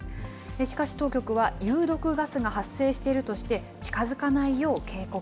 しかし当局は、有毒ガスが発生しているとして、近づかないよう警告。